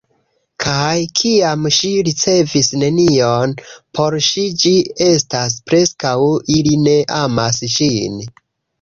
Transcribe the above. Kaj kiam ŝi ricevis nenion, por ŝi, ĝi estas preskaŭ ili ne amas ŝin.